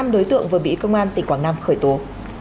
năm đối tượng vừa bị công an tỉnh quảng nam khởi tố